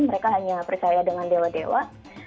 mereka hanya percaya dengan dewa dewa